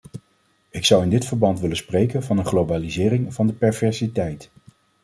Ik zou in dit verband willen spreken van een globalisering van de perversiteit.